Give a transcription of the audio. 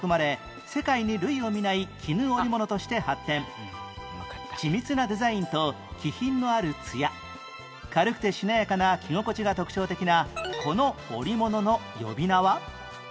奄美大島で誕生し緻密なデザインと気品のある艶軽くてしなやかな着心地が特徴的なこの織物の呼び名は？